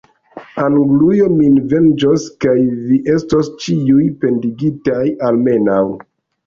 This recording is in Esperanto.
Anglujo min venĝos, kaj vi estos ĉiuj pendigitaj, almenaŭ!